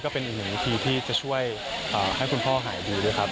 ก็เป็นอีกหนึ่งวิธีที่จะช่วยให้คุณพ่อหายดีด้วยครับ